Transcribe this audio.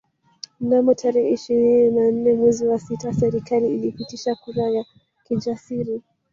Mnamo tarehe ishirini na nne mwezi wa sita serikali ilipitisha kura ya kijasiri